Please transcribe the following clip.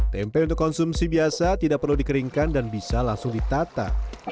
tempe untuk konsumsi biasa tidak perlu dikeringkan dan bisa langsung ditata